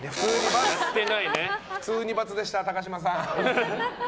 普通に×でした、高嶋さん。